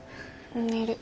寝る。